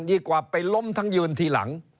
ดีกว่าไปล้มทั้งยืนทีหลัง